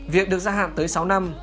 việc được gia hạn tới sáu năm